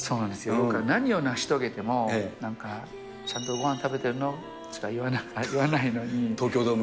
僕が何を成し遂げても、ちゃんとごはん食べてるのとしか言わないのに。